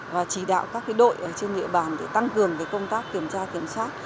và chỉ đạo các cái đội ở trên địa bàn để tăng cường cái công tác kiểm tra kiểm soát